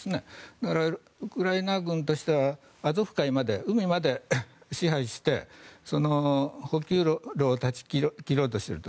だから、ウクライナ軍としてはアゾフ海まで、海まで支配して補給路を断ち切ろうとしていると。